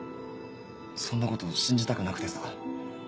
そんなこと信じたくなくてさ。